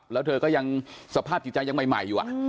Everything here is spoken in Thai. แล้วเธอก็ยังสภาพจิตใจยังใหม่อยู่